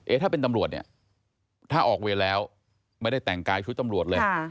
ถ้าเป็นตำรวจเนี่ยถ้าออกเวรแล้วไม่ได้แต่งกายชุดตำรวจเลย